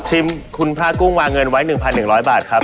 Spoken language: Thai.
ทีมคุณพระกุ้งวางเงินไว้๑๑๐๐บาทครับ